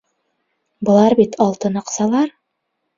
Былар бит алтын аҡсалар!